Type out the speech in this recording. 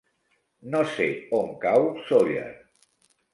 No sé on cau Sóller.